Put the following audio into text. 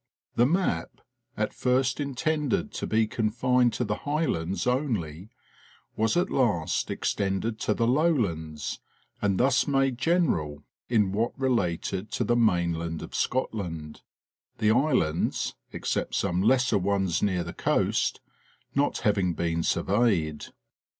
The map, at first intended to be confined to the Highlands only, was at last extended to the Lowlands and thus made general in what related to the mainland of Scotland, the islands (except some lesser ones near the coast), not having been sur veyed.